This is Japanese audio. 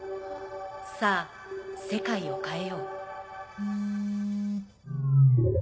さぁ世界を変えよう。